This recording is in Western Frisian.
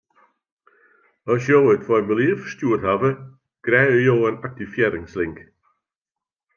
At jo it formulier ferstjoerd hawwe, krijge jo in aktivearringslink.